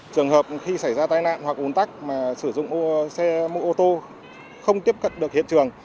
trường hợp khi xảy ra tai nạn hoặc ồn tắc mà sử dụng xe mô tô không tiếp cận được hiện trường